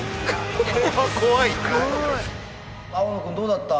青野君どうだった？